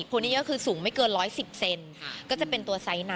โอนิเอร์คือสูงไม่เกิน๑๑๐เซนก็จะเป็นตัวไซส์น้ำ